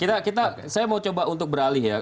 kita saya mau coba untuk beralih ya